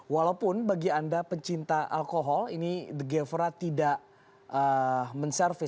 walaupun bagi anda pencinta alkohol ini the gevora tidak menservis